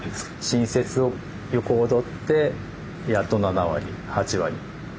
新設を横取ってやっと７割８割。